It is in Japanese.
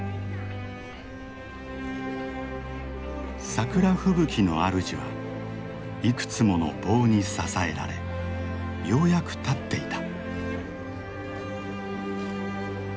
桜吹雪のあるじはいくつもの棒に支えられようやく立っていた。